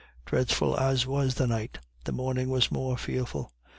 Dreadful as was the night, the morning was more fearful.